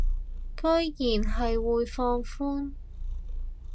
居然係會放寬